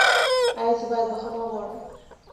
ایا زه باید بخښنه وغواړم؟